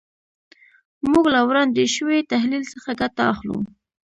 موږ له وړاندې شوي تحلیل څخه ګټه اخلو.